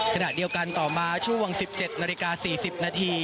ขณะเดียวกันต่อมาช่วง๑๗น๔๐น